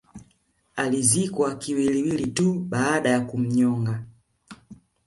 Alizikwa kiwiliwili tuu baada ya kumnyoga